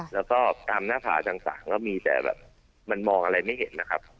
แล้วก็ตามหน้าผาต่างก็มีแต่แบบมันมองอะไรไม่เห็นนะครับ